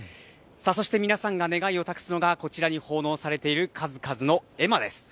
そして皆さんが願いを託すのがこちらに奉納されている数々の絵馬です。